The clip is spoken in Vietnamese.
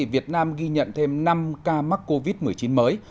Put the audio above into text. việt nam ghi nhận thêm năm ca mắc covid một mươi chín mới